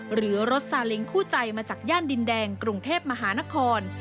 หรือรถซาเล้งคู่ใจมาจากย่านดินแดงกรุงเทพมหานคร